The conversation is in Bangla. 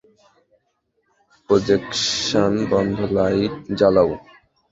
প্রজেকশন বন্ধ লাইট জ্বালাও।